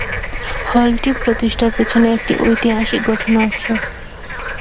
হলটি প্রতিষ্ঠার পেছনে একটি ঐতিহাসিক ঘটনা আছে।